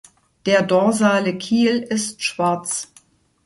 Der dorsale Kiel ist schwarz.